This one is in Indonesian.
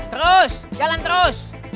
terus jalan terus